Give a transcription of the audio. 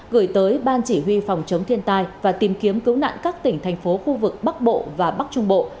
gửi tới ban chỉ huy phòng chống thiên tai và tìm kiếm cứu nạn các tỉnh thành phố khu vực bắc bộ và bắc trung bộ